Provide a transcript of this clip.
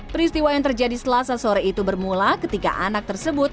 peristiwa yang terjadi selasa sore itu bermula ketika anak tersebut